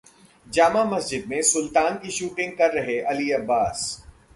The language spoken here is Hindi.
जामा मस्जिद में 'सुल्तान' की शूटिंग कर रहे अली अब्बास